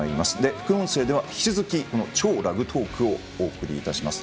副音声では引き続き「＃超ラグトーク」をお送りいたします。